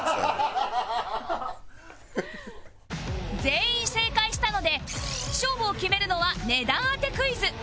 全員正解したので勝負を決めるのは値段当てクイズ